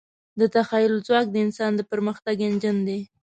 د تخیل ځواک د انسان د پرمختګ انجن دی.